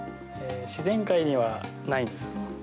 自然界にはないです。